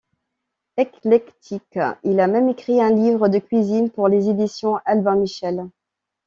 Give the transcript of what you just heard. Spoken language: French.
Éclectique, il a même écrit un livre de cuisine pour les éditions Albin Michel.